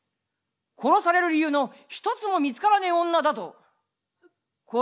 殺される理由の一つも見つからねえ女だとこういうんだな？」。